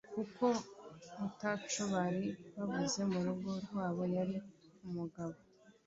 kuko ataco bari babuze murugo rwabo yari umugabo